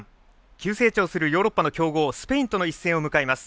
急成長するヨーロッパの強豪スペインとの一戦を迎えます。